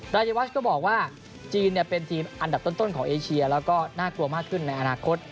รายวัชก็บอกว่าจีนเป็นทีมอันดับต้นของเอเชียแล้วก็น่ากลัวมากขึ้นในอนาคต